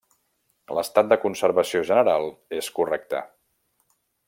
L'estat de conservació general és correcte.